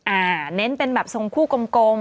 อ่าเน้นเป็นแบบส่งคู่กลม